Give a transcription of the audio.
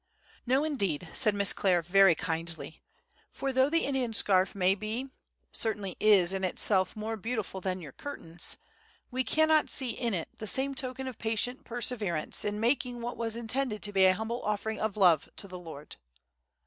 "No, indeed," said Miss Clare, very kindly; "for though the Indian scarf may be—certainly is in itself more beautiful than your curtains, we cannot see in it the same token of patient perseverance in making what was intended to be a humble offering of love to the Lord."